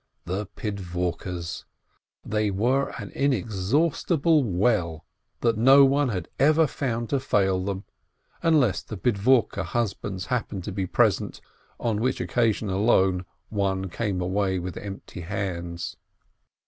The Pid vorkes! They were an inexhaustible well that no one had ever found to fail them, unless the Pidvorke hus bands happened to be present, on which occasion alone one came away with empty hands.